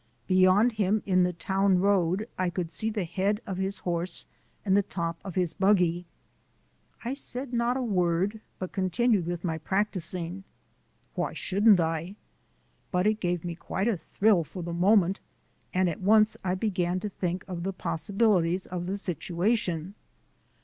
Beyond him in the town road I could see the head of his horse and the top of his buggy. I said not a word, but continued with my practising. Why shouldn't I? But it gave me quite a thrill for the moment; and at once I began to think of the possibilities of the situation.